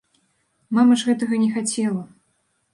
Мама ж гэтага не хацела.